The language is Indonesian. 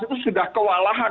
itu sudah kewalahan